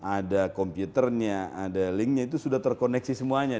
ada komputernya ada linknya itu sudah terkoneksi semuanya